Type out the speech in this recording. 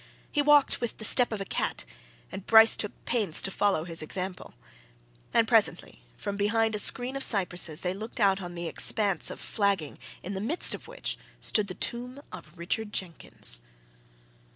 He walked with the step of a cat, and Bryce took pains to follow his example. And presently from behind a screen of cypresses they looked out on the expanse of flagging in the midst of which stood the tomb of Richard Jenkins.